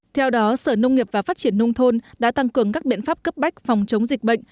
theo đó sở nông nghiệp và phát triển nông thôn đã tăng cường các biện pháp cấp bách phòng chống dịch bệnh